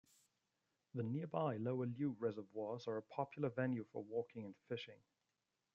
The nearby Lower Lliw Reservoirs are a popular venue for walking and fishing.